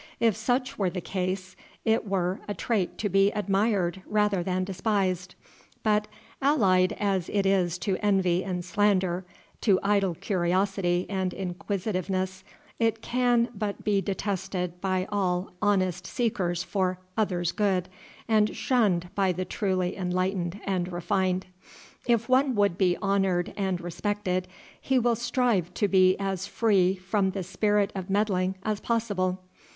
If such were the case, it were a trait to be admired rather than despised; but, allied as it is to envy and slander, to idle curiosity and inquisitiveness, it can but be detested by all honest seekers for others' good, and shunned by the truly enlightened and refined. And if one would be honored and respected, he will strive to be as free from the spirit of meddling as possible.